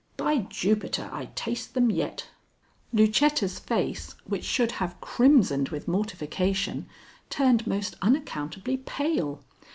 By Jupiter, I taste them yet!" Lucetta's face, which should have crimsoned with mortification, turned most unaccountably pale.